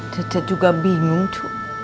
cucu juga bingung cuk